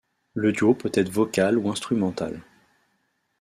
Le duo peut être vocal ou instrumental.